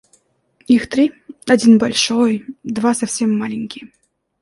Их три: один большой, два совсем маленькие